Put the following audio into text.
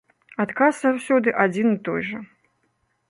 Адказ заўсёды адзін і той жа.